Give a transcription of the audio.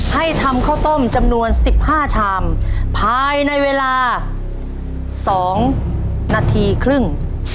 ให้ทำข้าวต้มจำนวน๑๕ชามภายในเวลา๒นาทีครึ่ง